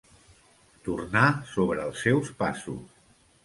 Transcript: Tornar sobre els seus passos.